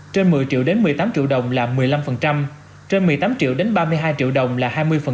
trên một mươi triệu đến một mươi tám triệu đồng là một mươi năm trên một mươi tám triệu đến ba mươi hai triệu đồng là hai mươi